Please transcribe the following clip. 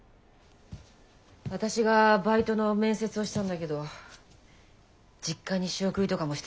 私がバイトの面接をしたんだけど実家に仕送りとかもしてるみたいだし。